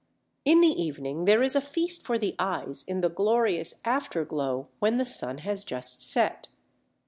In the evening there is a feast for the eyes in the glorious afterglow when the sun has just set.